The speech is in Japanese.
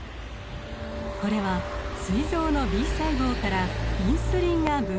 これはすい臓のＢ細胞からインスリンが分泌される様子です。